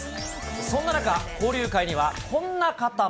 そんな中、交流会には、こんな方も。